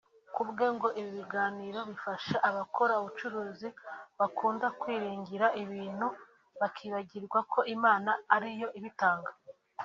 ku bwe ngo ibi biganiro bifasha abakora ubucuruzi bakunda kwiringira ibintu bakibagirwa ko Imana ariyo ibitanga